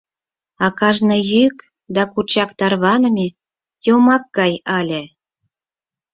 А кажне йӱк да курчак тарваныме йомак гай ыле!